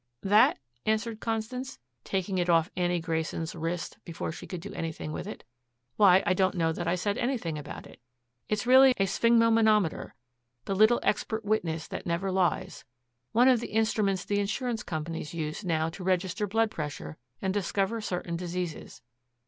"That?" answered Constance, taking it off Annie Grayson's wrist before she could do anything with it. "Why, I don't know that I said anything about it. It is really a sphygmomanometer the little expert witness that never lies one of the instruments the insurance companies use now to register blood pressure and discover certain diseases.